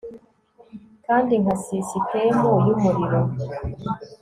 Kandi nka sisitemu yumuriro